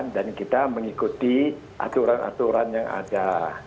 dan kita mengikuti aturan aturan yang ada